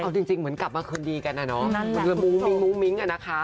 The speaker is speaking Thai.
เอาจริงเหมือนกลับมาคืนดีกันอ่ะเนอะมึงมิ้งอ่ะนะคะ